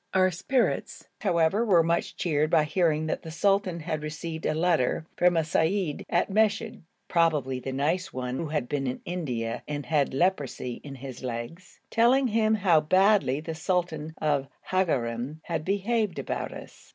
Our spirits, however, were much cheered by hearing that the sultan had received a letter from a seyyid at Meshed (probably the nice one who had been in India and had leprosy in his legs), telling him how very badly the sultan of Hagarein had behaved about us.